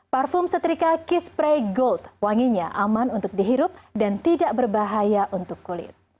parfum setrika key spray gold wanginya aman untuk dihirup dan tidak berbahaya untuk kulit